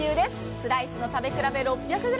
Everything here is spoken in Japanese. スライスの食べ比べ６００ｇ。